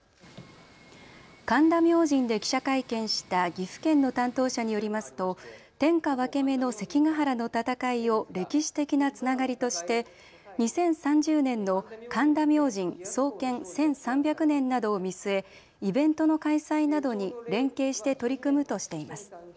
神田明神で記者会見した岐阜県の担当者によりますと天下分け目の関ヶ原の戦いを歴史的なつながりとして、２０３０年の神田明神創建１３００年などを見据えイベントの開催などに連携して取り組むとしています。